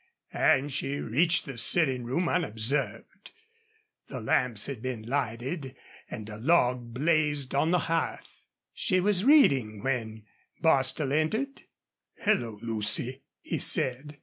And she reached the sitting room unobserved. The lamps had been lighted and a log blazed on the hearth. She was reading when Bostil entered. "Hello, Lucy!" he said.